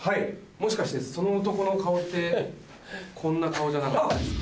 もしかしてその男の顔ってこんな顔じゃなかったですか？